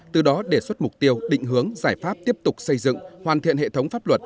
từ đó đề xuất mục tiêu định hướng giải pháp tiếp tục xây dựng hoàn thiện hệ thống pháp luật